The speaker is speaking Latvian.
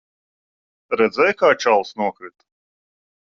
Redzēji, kā čalis nokrita?